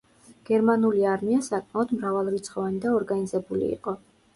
გერმანული არმია საკმაოდ მრავალრიცხოვანი და ორგანიზებული იყო.